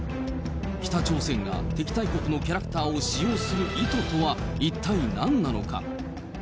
北朝鮮が敵対国のキャラクターを使用する意図とは、一体何なのか。